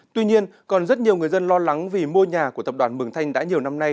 tuy nhiên còn rất nhiều người dân lo lắng vì mua nhà của tập đoàn mường thanh đã nhiều năm nay